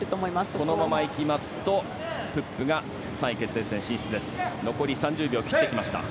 このままいきますとプップ選手が３位決定戦進出です。